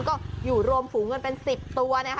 ก็อยู่รวมภูเงินเป็น๑๐ตัว